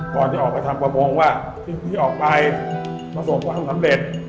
พ่อจะออกไปทำกำงว่าตื่นที่ออกไปประสบความสำเร็จ